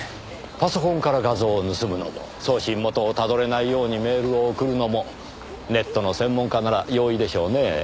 パソコンから画像を盗むのも送信元をたどれないようにメールを送るのもネットの専門家なら容易でしょうねぇ。